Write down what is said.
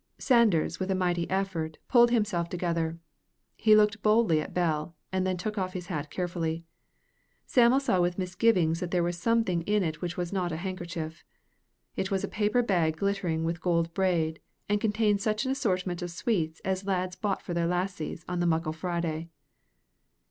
Sanders, with a mighty effort, pulled himself together. He looked boldly at Bell, and then took off his hat carefully. Sam'l saw with misgivings that there was something in it which was not a handkerchief. It was a paper bag glittering with gold braid, and contained such an assortment of sweets as lads bought for their lasses on the Muckle Friday.